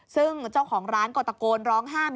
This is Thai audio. ซึ่งเจ้าของร้านก็ตะโกนร้องห้าม